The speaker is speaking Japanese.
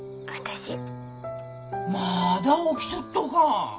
まだ起きちょっとか。